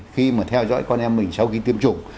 khi mà theo dõi con em mình sau khi tiêm chủng